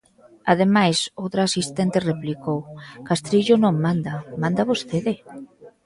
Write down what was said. Ademais, outra asistente replicou: "Castrillo non manda, manda vostede".